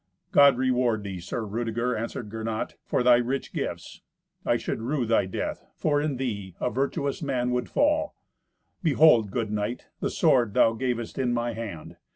"God reward thee, Sir Rudeger," answered Gernot, "for thy rich gifts. I should rue thy death, for in thee a virtuous man would fall. Behold, good knight, the sword thou gavest, in my hand.